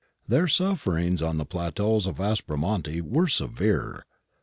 Their sufferings on the plateaus of Aspromonte were severe.